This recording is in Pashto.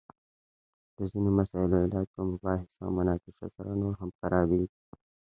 د ځینو مسائلو علاج په مباحثه او مناقشه سره نور هم خرابیږي!